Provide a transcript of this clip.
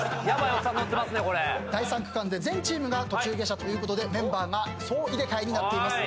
第３区間で全チームが途中下車ということでメンバーが総入れ替えになっています。